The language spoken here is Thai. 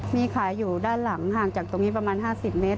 มีขายอยู่ด้านหลังห่างจากตรงนี้ประมาณ๕๐เมตร